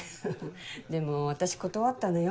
でも私断ったのよ。